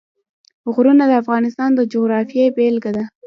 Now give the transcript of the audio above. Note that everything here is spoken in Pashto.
غرونه د افغانستان د جغرافیې بېلګه ده.